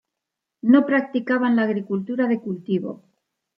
No practicaban la agricultura de cultivo.